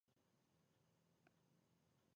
هغوی نه غوښتل بدلون ومني.